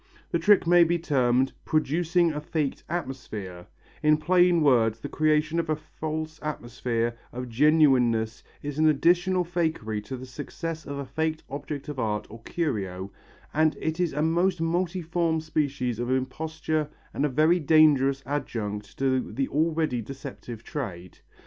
The trick might be termed "producing a faked atmosphere," in plain words the creation of a false atmosphere of genuineness is an additional fakery to the success of a faked object of art or curio, and it is a most multiform species of imposture and a very dangerous adjunct to the already deceptive trade.